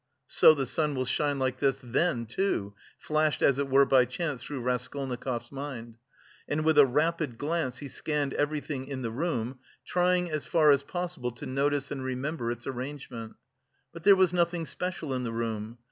"So the sun will shine like this then too!" flashed as it were by chance through Raskolnikov's mind, and with a rapid glance he scanned everything in the room, trying as far as possible to notice and remember its arrangement. But there was nothing special in the room.